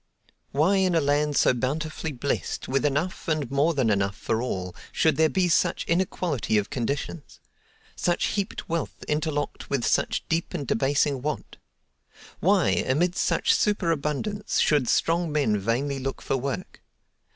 Why in a land so bountifully blest, with enough and more than enough for all, should there be such inequality of conditions? Such heaped wealth interlocked with such deep and debasing want? Why, amid such super abundance, should strong men vainly look for work?